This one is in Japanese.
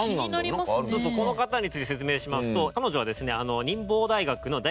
この方について説明しますと彼女はですね。